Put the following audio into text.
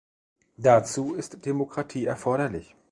Dazu ist Demokratie erforderlich.